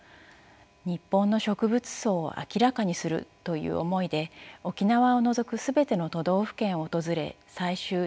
日本の植物相を明らかにするという思いで沖縄を除く全ての都道府県を訪れ採集調査を行いました。